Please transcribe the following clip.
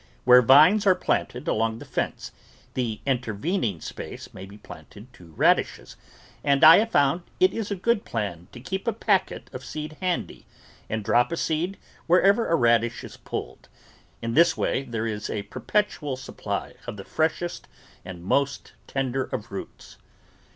Where vines are planted along the fence, the intervening space may be planted to radishes, and I have found it a good plan to keep a packet of seed handy, and drop a seed wherever a radish is pulled; in this way there is a perpetual supply of the freshest and most tender of roots.